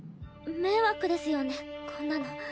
迷惑ですよねこんなの。